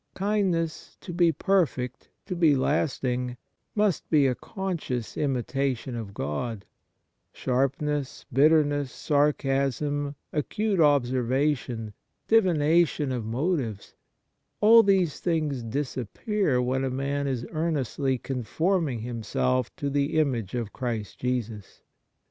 Kindness to be perfect, to be lasting, must be a conscious imitation of God : sharpness, bitterness, sarcasm, acute observation, divination of motives — all these things disappear when a man is earnestly conforming himself to the image of Christ Jesus.